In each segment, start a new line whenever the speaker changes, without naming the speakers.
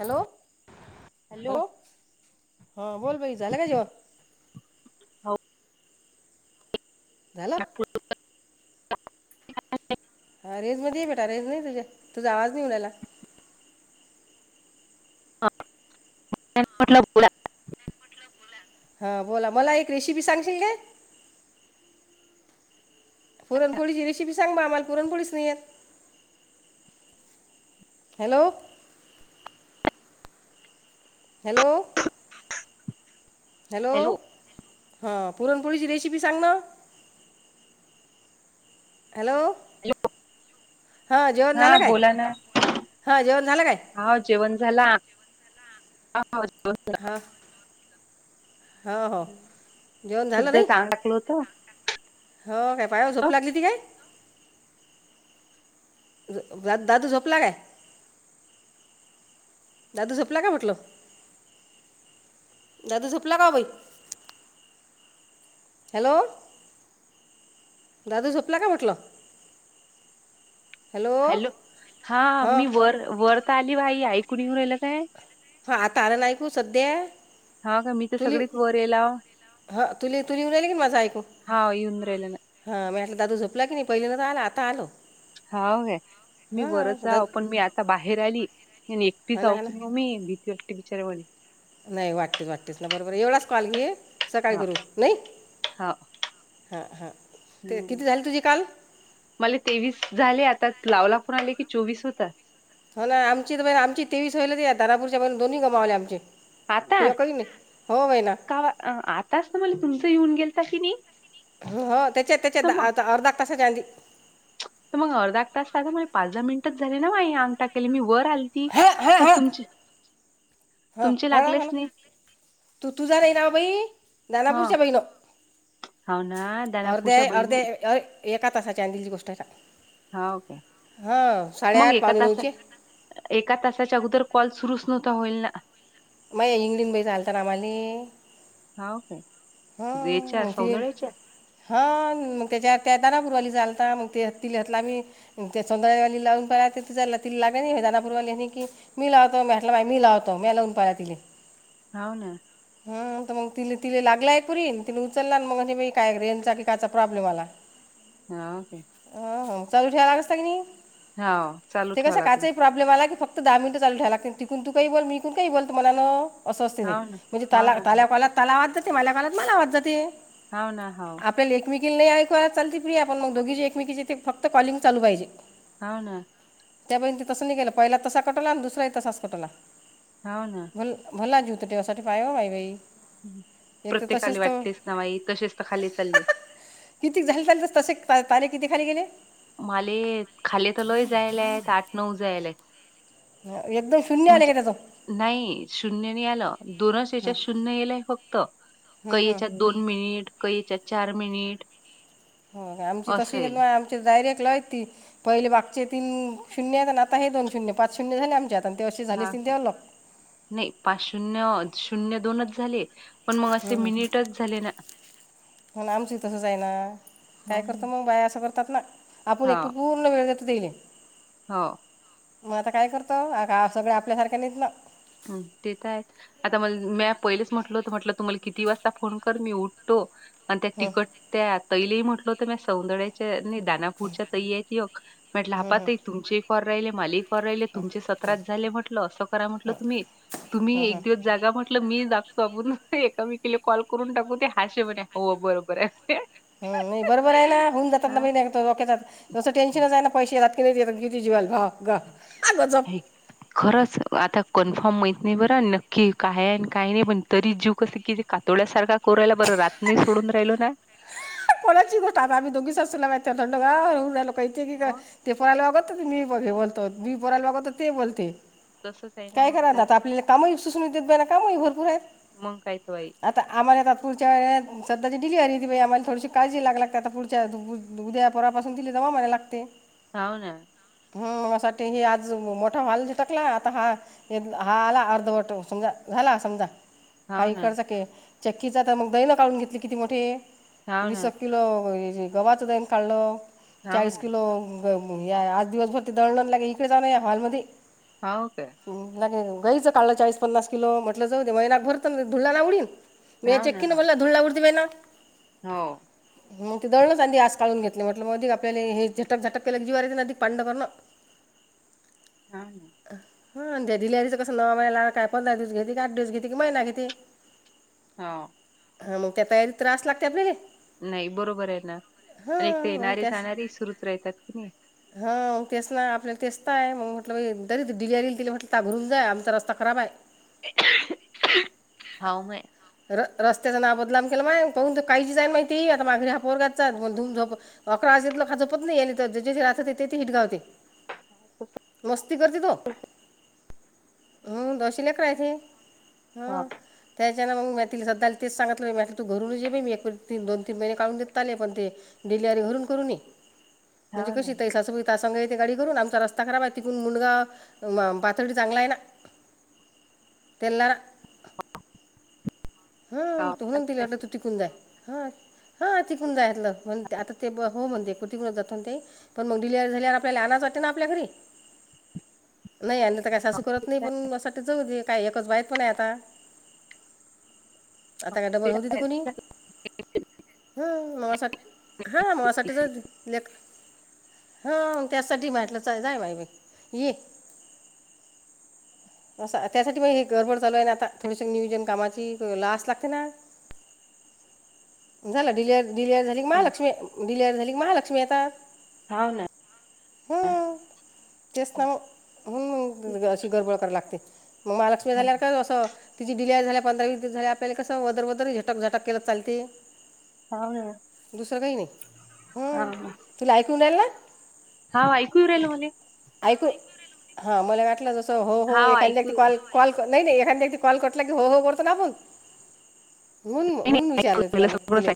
Hello, hello.. हा बोल बई झालं काय जेवण?
हो...
झालं हा रेजमध्ये ये बेटा, रेज नाही तुझ्यात तुझा आवाज नाही येऊ राहिला.
त्यां म्हटलं बोला [inaudible]
हा बोला, मला एक रेसिपी सांगशील काय? पुरणपोळीची रेसिपी सांग आम्हांला पुरणपोळीच नाही येत. हॅलो.. हॅलो... हॅलो... हां पुरणपोळीची रेसिपी सांग ना... हॅलो... जेवण
हां
झालं काय
बोला ना...
हां जेवण झालं काय
हाउ जेवण झाला, [unintelligible]
हां हो हो
ह्
जेवण झालं
सुद्धा
नाही
सांग टाकल होतं
हो काय पायावर झोप लागली ती काय? दा दादू झोपला काय? दादू झोपला का म्हटलं दादू झोपला का भाई? हॅलो, दादू झोपला काय म्हटलं?
हॅलो, हा
हां
मी वर वर त आली भाई ऐकु नाही राहिलं काय,
हा आता आला ना ऐकू सध्या,
हो का मी तर सगळीच वर येलाव
ह तुले तुले येऊ राहिले का माझं ऐकू?
हो येऊन राहीलं ना.
हा मी म्हटला दादू झोपला की नाही?.. पहिले नव्हतं आला, आता आलो.
हाउ काय, मी वरच
हां दादू
हाऊ, पण मी आता बाहेर आली. आणि एकटी
हा ना हा ना
जाऊकी ममी भिती वाटते बिचार म्हली
नाही वाटतेच, वाटतेच ना बरोबर हाय एवढाच कॉल घे. सकाळी
हा
करू नाही
हा
हा हा ते किती झाले तुझी काल
मले तेवीस झाले आता लाव ला कोून आले की चोवीस होतात
हो ना आम आमची तेवीस होईलच या धापूरच्या प दोन्ही गमावले आमचे
आता
हे कधी नाही हो बाई ना
का आताच ना मला तुमचं येऊन गेलता कि नाही
हो हो त्याच्या
तर मग
त्याचात अर्ध्याक तासाच्या आधी
तर मग अर्धा एक तास कायले पाच दहा मिनिटच झाले ना आई अंग टाकले मी वर आली ती
हां
मग तुमची
ह हरा हला तू तू जा नाही ना बई
हा
दनाापूच्या बै न
हाव ना
अर्ध्या
दानापूरच्या बहिणी
अर्ध्या एका तासाच्या आधीची गोष्ट आहे
हाव काय
हा
मग
साडेआठ
एका
पावणे
तासा
नऊची
एका तासाच्या अगोदर कॉल सुरुच नव्हता होईल ना
माग इंग्लीन बज झालत रामाली
हा काय?
हा
याच्या
मग ते.
सौंदर्याच्या
हा मग त्याच्या त्या दनापुरवाली चालता मग ते तितला म् ते सौंदयवाली लावून प ति लाग दानापूरवाली की मी लावतो म म्हटला मा मी लावतो मी लावून पहिय तिला
होऊ ना.
ह मग ति तिला लागलाय पुरी ति उचलला ना मग म्ह काय रेनचा क कायचा प्रॉब्लेम आला.
हाव का.
ह चालू ठेवालाग असत की नाही
हाव चालू
ते
ठेवा
कसं
लागलो
काचा प्रॉ् आप मला की फक् दहा मिनट चालू ठय ला तून तू काही बोल मीून काही बोलतु मला ना असं असते ते
हाव ना
म्हणजे
हाव
त्याला
ना
त्याला कालात त्याला आवाज जाते माझ्या काळत मला आवाज जाते.
हाव ना हव
आपल्याला एकमेकीला ऐकवा चालते फ्री आपण मग दोघी जे एकमेकीचे ते फत कॉलिंग चालू पाहिजे.
हा ना.
त्यापै तसं नि गेलं पहिला तसा कटवला आणि दुसराही तसाच कटवला.
हो ना.
भ भला जूत टेवासाठी पाय बाई बाई एक तर
प्रत्येकाला
तसेच तर
वाटतेस ना बाई तसेच तर खाली चालले.
किती झा पाहिज तसे पारे किती खाली गेले.
मले खाली तलय जायला आहेत आठ नऊ जायला आहे.
एकदम शून्य आले ग त.
नाही शून्य नाही आलं दोनच याच्यात शून्य येलय फक्त
हं,
कही
हं.
याच्या दोन मिनिट कयच्या चार मिनिट.
हो आमची
असं
तशी
येईल.
आम डायरेक्ट ला पहिले बागचे तीन शून्य आणि आता हे दोन शून्य पाच शून्य झाले आमच्यात आणि ते अशी झाली
हां,
ती ते ल
नाही पाच शून्य शून्य दोनच झाले पण मग असे मिनिटच झाले ना
म्हण आमचंही तसंच आहे ना काय
हं,
करतं मग बाय असं करतात ना आपण एकटे
हां,
पू वेळ तेईले
हो.
मग आता काय करतो आ सगळ आपल्यासारख्या नेत ना.
ह ते तर आहेत. आता म मी पहिलेच म्हटल होत म्हटलं, तुम्हाला किती वाजता फोन कर मी उठतो. आणि त्या
हं,
तिकट त्या तैल म्हटलं होतं म सौंदड्याच्या दना पुढच्या ताई आहे एक म्हटलं ह्या पाहा ताई तुमचे हि कॉल राहिले माल कॉल राहिले तुमचे सत्राच् झाले आहे म्हटलं, अस करा म्हटलं तुम्ही तुम्ही
हं, हं.
एक दिवस जागा म्हटलं मी जागतो, आपून एकामेकीला कॉल करून टाकू ते हाशे म्हणे हो बरोबर आहे.
ह नाही बरोबर आहे ना होऊन जातात ना
हां.
महिक तसं टेन्शनच आहे ना पैसे इने ज रंगी ज्वल हा
हे. खरंच आता कन्फर्म माहत नाही, बरं नक्की काय आहे, काही नाही पण तरी जीव कस किती, कातोड्यासारखा कोरायला बरं रातनी सोडून राहिलो ना.
कोणाची आम्ही दोघी मा थंड लो क
मग
तेयला. मी बघे बोलतो, मी बोरायला बघतो ते बोलते.
तसंच आहे
काय
मग
करा ना आता आपल्याला कामाही सुसून देत बा ना कामई भरपूर
मग काय तो बाई
आहेतता. आम्हाला आ पुढच्या व सध्या डिलीव हो ब आ्हाला थोडीशी काळी लाग आता पुढच्या उदयापोरापासून दिले जमामाला लागते.
हा ना?
हम मा सा ही आज मोठा हॉल झिटकला आता हा हा आला अर्धवट समजा झाला समजा.
हाव ना
हाईकचाक चक्कीचा तर मग दहीन काढून घेतली किती मोठे
हाव ना
वीस किलो प गव्हाचा दळण काढलं
हाव
चाळीस
ना
किलो. या आज दिवसभर ते दळडण लागे, इकडे जा या हॉलमध्येध्ये,
हा काय?
गे गचं काढलं ळीस पन्नास किलो म्हटलं जाऊ दे महिला भरत धुळलाना उडीन. मीया
हाव ना
चचेकीकन
हा
बला डूल ला उडद दिे ना,
हो.
मग ते दळणच अधी आज काढून घेतले म्हटलं मग अधिक आपल्या हे झटक झटक केले जिवारी अदीक पांड कर ना. [unintelligible]
हा हा,
ह द्या दि लच कसंला काय पंधरा दिवस घेते की आठ दिवस घेते कि महिना घेतती. [unintelligible]
हा.
हा मग त्या तयारी त्रास लागत आप
नाही बरोबर आहे ना आणि ते
हां
येणारे जाणारे सुरूच राहतात कि नाही.
हा मग तेच ना आपल्याला तेच आहे मग म्हटलं तरी डिलर येईलि म्हटलं त घरून जाय आमचा रस्ता. खराब आहे.
हाऊ म.
र रस्त्याचा नाव बदलाम केलं मा पाहून काही जाईल माहिती आता माघरी हा पोरगातचा धूम झोप. अकरा वाजेलं खाजंपत नाही या तर जे राहत होते ते ते हिट गावते
हा तस.
मस्ती करते तो हम दशीलेकरायचे.
हाव
ह त्याच्यान मग म तिला सधाला तेच सांगतलं तू घरून जे मी एकीन दोन. तीन महिने काढून देत ले पण ते डिलिवरी घरून करून न ये म्हणजे
हाव ना
कशी तही स असं आता सांगा य तेे गाडी करून आमचा रस्ता खराब आहे तिकून मुंडगा पाातळीडी चांगला आहे ना. पल्लर. ह्म्म..
हाव
तू म्हणती
हाव
काय तीकुण जाय? हा.. हा. तिकून जायलं म्हणते. आता ते ब हो म्हणते कुटिंगला जातो नते? पण मग डिलीवरी झाल्यावर. आपल्याला आणाच वाटत ना आपल्या घरी? नाही आणल तर काय सासू करत नाही. पण या साठी जाऊ दे काही. एकच बाळंत पण आहे आता? आता काय डबल होऊ देत कोणी? ह... हा मासाठीच लेक. हां हा. त्यासाठी म्हटलंच जा बाई ये? अस त्यासाठी मग हे गडबड चालू आता थोडीसे नियोजन कामाची लावायला लागते ना आता. झालं डलेर डिलिव्हरी झाली क
ना
महालक्ष्मी डिलेवरी झाली क महालक्ष्मी येतात.
हा ना.
ह तेच ना मग अशी गडबड कराय लागते. मग महालक्ष्मी
हाव
झाल्यावर काय असं. तिची डिलीवरी झाल्या पंधरा वीस दिवस झाले. आपल्याला कसं वदर वदर झटक झटक केलं चालते?
ना
दुसरं काही नाही. हम..
हाव
तुला ऐकून नय आल?
हा ऐकू येऊ राहिल मले.
ऐकू.. हा मला वाटलं जसं हो हो
हाव
एखाद्या
ऐकू येऊ राहिलं.
कॉल कॉल नाही नाही. एखाद कॉल कटल की हो हो करतो ना आपण?
काही नाही
म्हणून विचारलं
मला
तुम्हाला
सगळंच
तुले?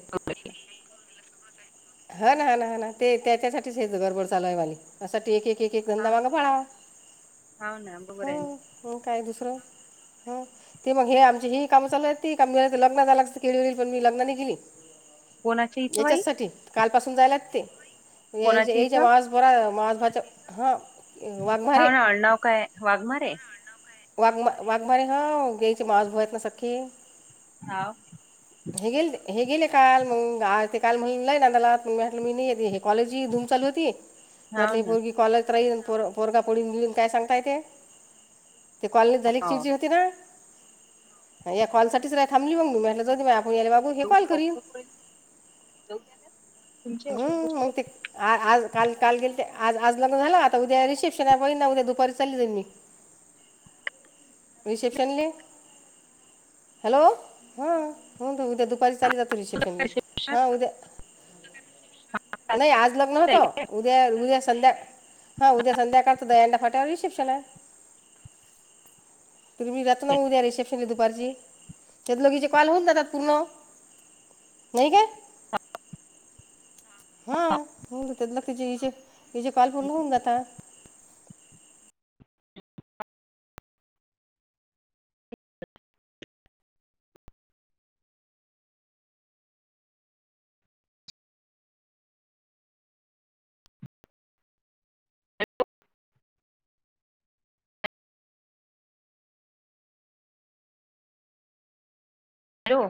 हा ना हा ना ह ना ते त्याच्यासाठीच हेच गडबड चालू झाली. त्यासाठी एक एक एक एक
ऐकू हा
धंदा वाला बरा.
हाव ना बरोबर आहे ना.
ह्म्म काय दुसरं? हम्.. ते मग हे आमची ही कामचालू आहेत. ती का लग्न झाल असत पण मी लग्न नाय केली?
कोणाच्या इथं बाई?
याच्याच साठी.. काल पासून जायलाच लागते
कोणाच्या
यायच्या
इथं?
परा [unintelligible] मस भाज हा.
हा हा आडनाव काय वाघमारे?
वाघ वाघमारे हा यांचे मावसभाऊ आहे ना सखे?
हाव.
हे गेल हे गेले काल मग आज ते काल म्हणून नांदाला मी नाई गेले? कॉलेज ही धूम चालू होती. म्हटल
हाव
ही
ना.
पोरगी कॉलेज राहीन? पोर पोरगा पडून बिडुन काय सांगता येतय? ते कॉलनीत झाली
हाव
तेजी होती ना? या कॉलसाठीच राखाली. म्हणलं जाऊदे बाई हे
एवढी
कॉल करीन
धावपळ करू राहिली?
ह्म्म.. मल ते आ आज काल काल गेलते. आज आज झाल. आता उद्या रिसेप्शन होईन ना? उद्या दुपारी चालली जाईन मी. Reception link. हॅलो.. हा उद्या दुपारी चालली जाईन रिसेप्शनला. हा उद्या? नाही.. आज लग्न होत. उद्या उद्या संध्याकाळचं. हा उद्या संध्याकाळ तर यांना फाट्यावर रिसेप्शन ये. तुम्ही जात्या ना उद्या रिसेप्शन दुपारची त्यात हिचे कॉल होऊन जातात पूर्ण. नाही काय? हां होऊन जातात. तेचे हजे हिचेे कॉल पूर्ण होऊन जाता.
हॅलो.